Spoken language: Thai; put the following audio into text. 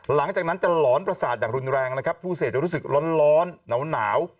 หลังจากนั้นจะหลอนประสาทอย่างรุนแรงนะครับผู้เสพจะรู้สึกร้อนหนาว